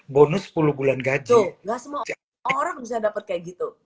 bonus sepuluh bulan gaji